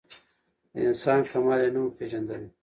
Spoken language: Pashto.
د انسان کمال یې نه وو پېژندلی